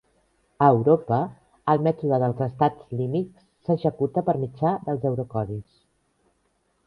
A Europa, el mètode dels estats límit s'executa per mitjà dels eurocodis.